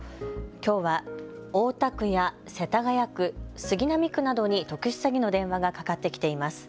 きょうは大田区や世田谷区、杉並区などに特殊詐欺の電話がかかってきています。